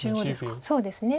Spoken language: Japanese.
そうですね。